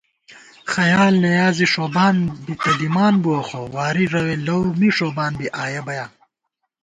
خیال نیازے ݭوبان بی تہ دِمان بُوَہ خو ، واری رَوے لؤ می ݭوبان بی آیہ بَیا